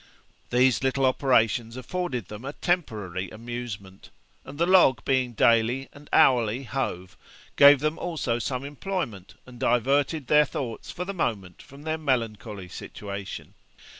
These little operations afforded them a temporary amusement; and the log being daily and hourly hove gave them also some employment, and diverted their thoughts for the moment from their melancholy situation.